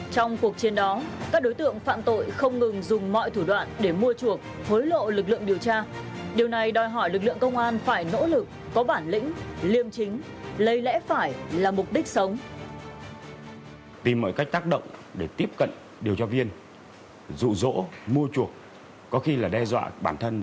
trong cuộc chiến đó các đối tượng phạm tội không ngừng dùng mọi thủ đoạn để mua chuộc hối lộ lực lượng điều tra